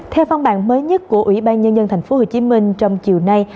theo văn bản mới nhất của ủy ban nhân dân tp hcm trong chiều nay